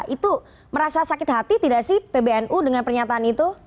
itu merasa sakit hati tidak sih pbnu dengan pernyataan itu